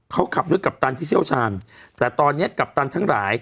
เขาขับด้วยกัปตันที่เชี่ยวชาญแต่ตอนนี้กัปตันทั้งหลาย